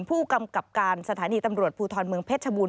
ผู้กำกับการสถานีตำรวจภูทรเมืองเพชรชบูร